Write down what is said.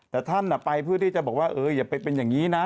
แต่ท่านไปเพื่อที่จะบอกว่าอย่าไปเป็นอย่างนี้นะ